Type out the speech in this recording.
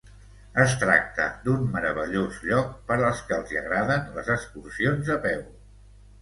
Es tracta d'un meravellós lloc per als qui els agraden les excursions a peu.